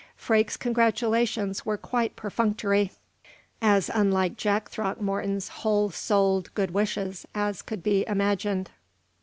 Freke's congratulations were quite perfunctory as unlike Jack Throckmorton's whole souled good wishes as could be imagined.